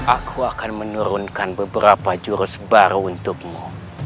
aku akan menurunkan beberapa jurus baru untukmu